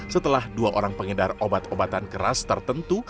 setelah dua orang pengedar obat obatan keras tertentu